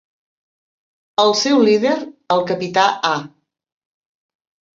El seu líder, el capità A.